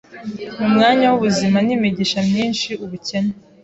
Mu mwanya w’ubuzima n’imigisha myinshi, ubukene